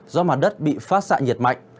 do mặt đất bị phát sạ nhiệt mạnh